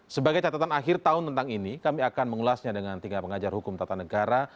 sebagai catatan akhir tahun tentang ini kami akan mengulasnya dengan tiga pengajar hukum tata negara